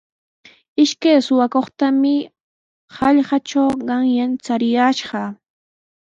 Ishkay suqakuqtami hallaqatraw qanyan chariyashqa.